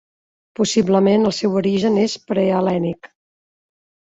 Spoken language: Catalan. Possiblement el seu origen és prehel·lènic.